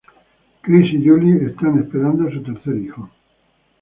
Chris y Julie están esperando su tercer hijo.